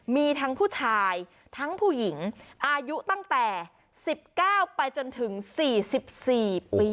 มีทั้งผู้ชายทั้งผู้หญิงอายุตั้งแต่๑๙ไปจนถึง๔๔ปี